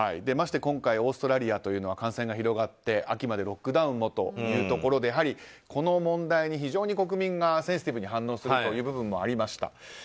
まして、今回オーストラリアというのは感染が広がって秋までロックダウンをというところでこの問題に非常に国民がセンシティブに反応するという部分もありました。